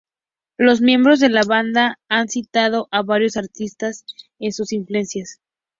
Los miembros de la banda han citado a varios artistas en sus influencias.